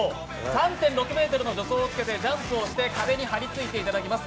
３．６ｍの助走をつけてジャンプをして壁に張りついていただきます。